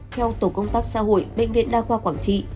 theo tổ công tác xã hội bệnh viện đa khoa quảng trị